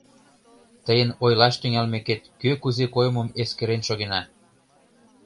Тыйын ойлаш тӱҥалмекет, кӧ кузе коймым эскерен шогена.